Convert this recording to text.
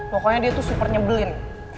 pokoknya dia tuh super nyebelin